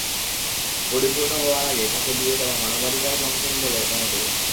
পরিপূর্ণ হওয়ার আগে তাঁকে বিয়ে দেওয়া মানবাধিকার লঙ্ঘন বলে মনে করি।